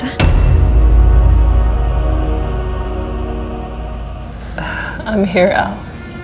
aku di sini al